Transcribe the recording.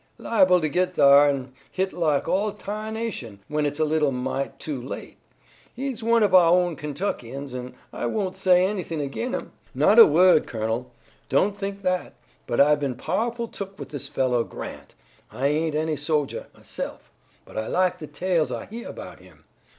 Liable to git thar, an' hit like all ta'nation, when it's a little mite too late. He's one of ouah own Kentuckians, an' I won't say anything ag'in him; not a wo'd, colonel, don't think that, but I've been pow'ful took with this fellow Grant. I ain't any sojah, myself, but I like the tales I heah 'bout him.